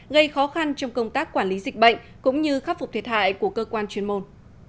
gây khó khăn trong công tác quản lý dịch bệnh cũng như khắc phục thiệt hại của cơ quan chuyên môn